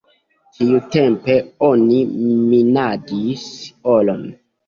Tiutempe oni minadis oron.